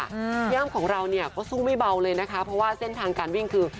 พี่อ้ำของเราเนี่ยก็สู้ไม่เบาเลยนะคะเพราะว่าเส้นทางการวิ่งคือ